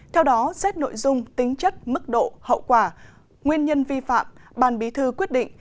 theo đó xét nội dung tính chất mức độ hậu quả nguyên nhân vi phạm ban bí thư quyết định